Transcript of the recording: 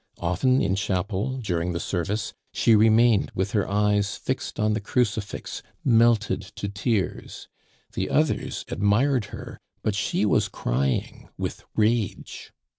Often in chapel, during the service, she remained with her eyes fixed on the Crucifix, melted to tears; the others admired her; but she was crying with rage.